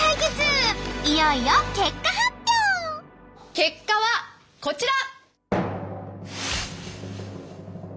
結果はこちら！